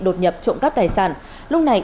đột nhập trộm cắp tài sản lúc này